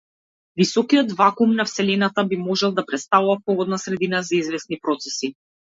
Високиот вакуум на вселената би можел да претставува погодна средина за извесни процеси.